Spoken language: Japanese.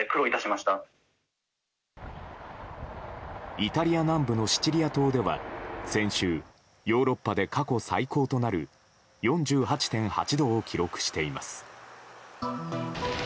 イタリア南部のシチリア島では先週ヨーロッパで過去最高となる４８．８度を記録しています。